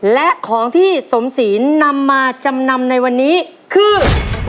และของที่สมศีลนำมาจำนำในวันนี้คือ